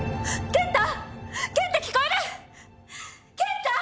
健太！！